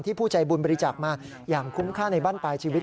ผู้ใจบุญบริจาคมาอย่างคุ้มค่าในบ้านปลายชีวิต